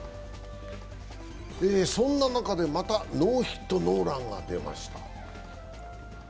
そんな中でまたノーヒットノーランが出ました。